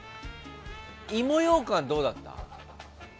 芋ようかんどうだった？